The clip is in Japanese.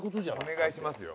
お願いしますよ。